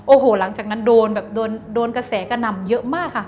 โอ้โหหลังจากนั้นโดนแบบโดนกระแสกระหน่ำเยอะมากค่ะ